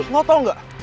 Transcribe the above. lo tau gak